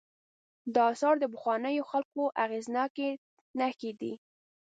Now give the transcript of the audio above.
دا آثار د پخوانیو خلکو اغېزناکې نښې دي.